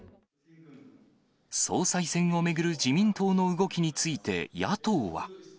総裁選を巡る自民党の動きについて、野党は。